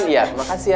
terima kasih ya